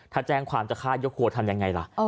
ถ้าแจ้งความจะฆ่ายกครัวทำยังไงล่ะ